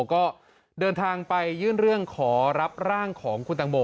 ก็เดินทางไปยื่นเรื่องขอรับร่างของคุณตังโม